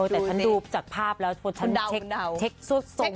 แต่ฉันดูจากภาพแล้วฉันเช็คซวดทรง